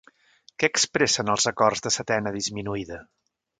Què expressen els acords de setena disminuïda?